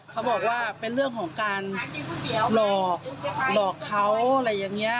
เขาบอกว่าเป็นเรื่องของการหลอกหลอกเขาอะไรอย่างนี้